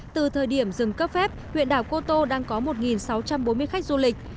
từ thời điểm dừng cấp phép huyện đảo cô tô đang có một sáu trăm bốn mươi khách du lịch